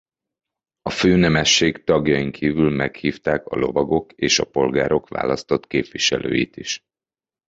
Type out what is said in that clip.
A főnemesség tagjain kívül meghívták a lovagok és a polgárok választott képviselőit is.